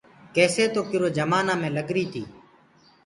ڪيسي تو ڪِرو جمآنآ مين لَگريٚ تيٚ۔